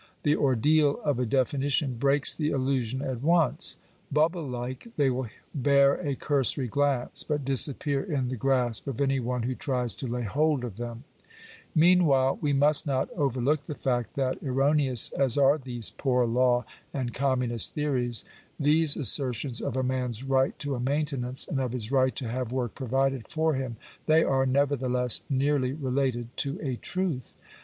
The ordeal of a definition breaks the illusion at once. Bubble like, they will bear a cursory glance ; but dis appear in the grasp of any one who tries to lay hold of them. Digitized by VjOOQIC POOR LAWS. 315 Meanwhile we must not overlook the fact that, erroneous as are these poor law and communist theories — these assertions of a man's right to a maintenance, and of his right to have work provided for him — they are, nevertheless, nearly related to a truth.